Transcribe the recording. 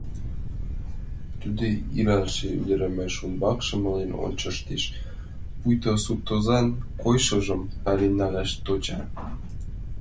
Тудо илалше ӱдырамаш ӱмбак шымлен ончыштеш, пуйто суртозан койышыжым пален налаш тӧча.